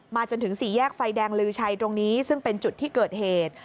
จนถึงสี่แยกไฟแดงลือชัยตรงนี้ซึ่งเป็นจุดที่เกิดเหตุ